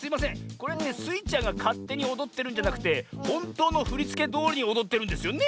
これってスイちゃんがかってにおどってるんじゃなくてほんとうのふりつけどおりにおどってるんですよね？